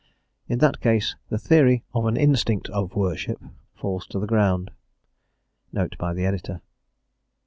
In that case, the theory of an instinct of worship falls to the ground." Note by the Editor.